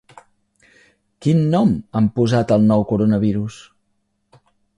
Quin nom han posat al nou coronavirus?